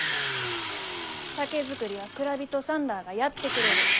酒造りは蔵人さんらあがやってくれる。